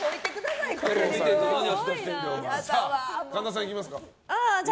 神田さん、いきますか。